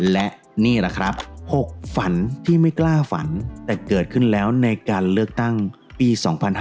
และนี่แหละครับ๖ฝันที่ไม่กล้าฝันแต่เกิดขึ้นแล้วในการเลือกตั้งปี๒๕๕๙